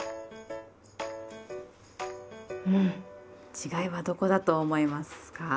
違いはどこだと思いますか？